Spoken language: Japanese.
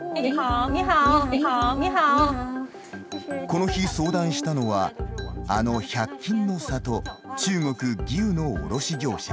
この日、相談したのはあの１００均の里中国義烏の卸業者。